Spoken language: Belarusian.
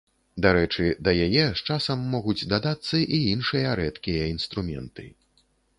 Дарэчы, да яе з часам могуць дадацца і іншыя рэдкія інструменты.